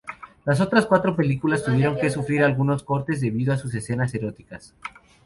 Las otras cuarto películas tuvieron que sufrir algunos cortes debido a sus escenas eróticas.